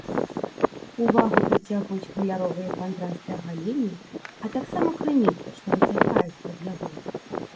Увагу прыцягваюць каляровыя кантрасты агалення, а таксама крыніца, што выцякае з-пад яго.